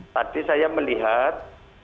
tadi saya melihat